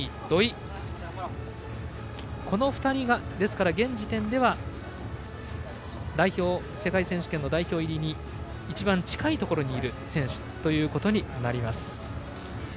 ですからこの２人が現時点では世界選手権の代表入りに一番近いところにいる選手となります。